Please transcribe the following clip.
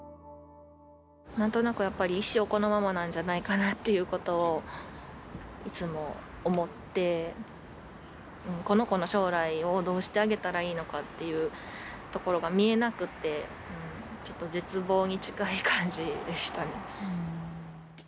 なんとなくやっぱり、一生このままなんじゃないかなということをいつも思って、この子の将来をどうしてあげたらいいのかっていうところが見えなくて、ちょっと絶望に近い感じでしたね。